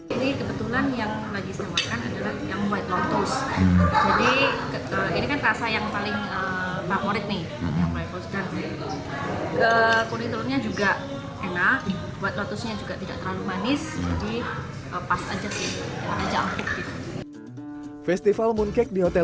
ini kebetulan yang lagi saya makan adalah yang white lotus